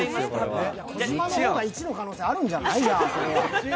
児嶋の方が１の可能性、あるんじゃない？